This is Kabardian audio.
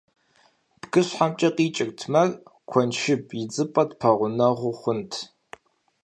БгыщхьэмкӀэ къикӀырт мэр: куэншыб идзыпӀэ тпэгъунэгъу хъунт.